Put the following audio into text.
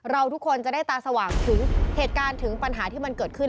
เราทุกคนจะได้ตาสว่างถึงเหตุการณ์ถึงปัญหาที่มันเกิดขึ้น